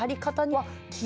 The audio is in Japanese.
はい。